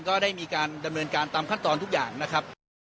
ก็ได้มีการดำเนินการตามขั้นตอนทุกอย่างนะครับ